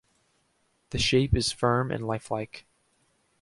The shape is firm and lifelike.